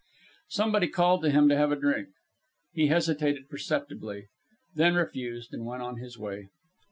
Somebody called to him to have a drink. He hesitated perceptibly, then refused and went on his way.